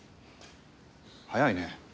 早いね。